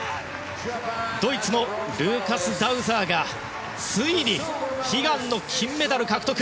ドイツのルーカス・ダウザーがついに悲願の金メダル獲得。